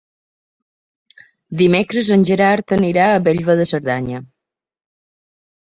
Dimecres en Gerard anirà a Bellver de Cerdanya.